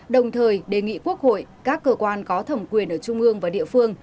đồng thời đề nghị quốc hội các cơ quan có thẩm quyền ở trung ương và địa phương